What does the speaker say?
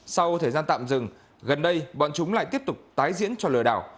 sau thời gian tạm dừng gần đây bọn chúng lại tiếp tục tái diễn cho lừa đảo